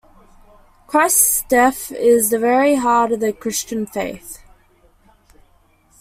Christ's death is the very heart of the Christian faith.